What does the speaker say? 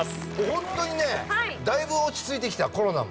ホントにねだいぶ落ち着いてきたコロナも。